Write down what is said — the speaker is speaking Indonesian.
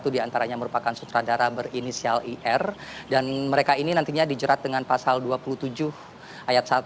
satu diantaranya merupakan sutradara berinisial ir dan mereka ini nantinya dijerat dengan pasal dua puluh tujuh ayat satu